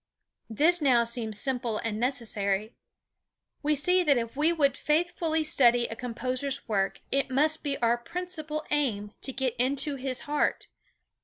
This now seems simple and necessary. We see that if we would faithfully study a composer's work it must be our principal aim to get into his heart.